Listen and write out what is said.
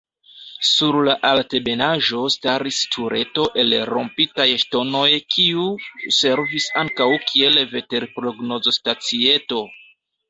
Sur la altebenaĵo staris tureto el rompitaj ŝtonoj kiu servis ankaŭ kiel veterprognozstacieto.